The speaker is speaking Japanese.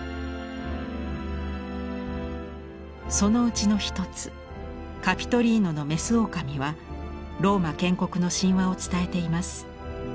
そのうちの一つ「カピトリーノの牝狼」はローマ建国の神話を伝えています。